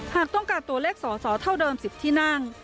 หากต้องการตัวเลขสอสอเท่าเดิม๑๐ที่นั่ง